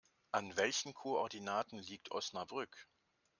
An welchen Koordinaten liegt Osnabrück?